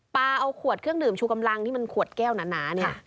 เอาขวดเครื่องดื่มชูกำลังที่มันขวดแก้วหนาเนี่ย